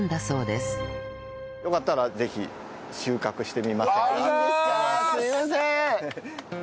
すいません。